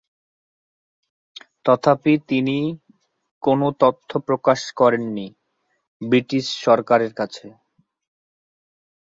তথাপি তিনি কোন তথ্য প্রকাশ করেন নি ব্রিটিশ সরকারের কাছে।